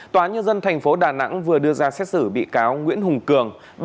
tòa nhân dân thành phố đà nẵng vừa đưa ra xét xử bị cáo nguyễn hùng cường